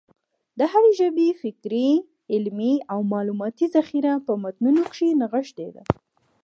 د هري ژبي فکري، علمي او معلوماتي ذخیره په متونو کښي نغښتې ده.